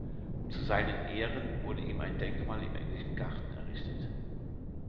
Zu seinen Ehren wurde ihm ein Denkmal im Englischen Garten errichtet.